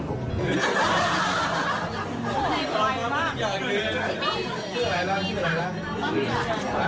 โทษนะ